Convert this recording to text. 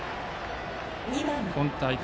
今大会